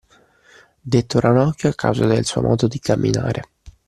Detto Ranocchio a causa del suo modo di camminare